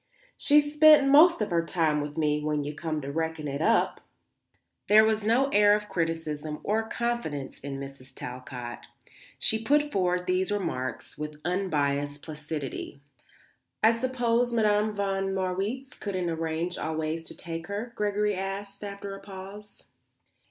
She's spent most of her time with me, when you come to reckon it up." There was no air of criticism or confidence in Mrs. Talcott. She put forward these remarks with unbiassed placidity. "I suppose Madame von Marwitz couldn't arrange always to take her?" Gregory asked after a pause.